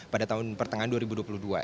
pada tahun pertengahan dua ribu dua puluh dua ya